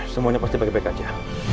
semuanya pasti baik baik saja